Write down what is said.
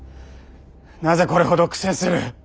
なぜこれほど苦戦する？